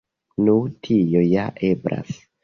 Nu, tio ja eblas.